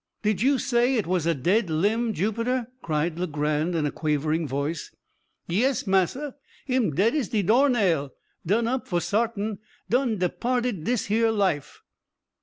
"Did you say it was a dead limb, Jupiter?" cried Legrand in a quavering voice. "Yes, massa, him dead as de door nail done up for sartin done departed dis here life."